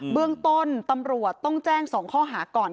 เบื้องต้นตำรวจต้องแจ้ง๒ข้อหาก่อน